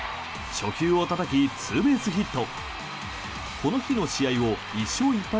初球をたたきツーベースヒット。